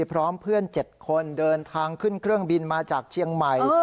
พร้อมเพื่อน๗คนเดินทางขึ้นเครื่องบินมาจากเชียงใหม่